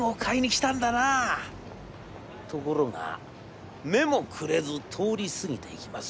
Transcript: ところが目もくれず通り過ぎていきます。